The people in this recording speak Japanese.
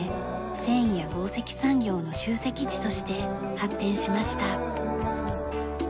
繊維や紡績産業の集積地として発展しました。